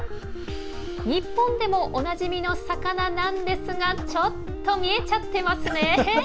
日本でもおなじみの魚なんですがちょっと見えちゃってますね。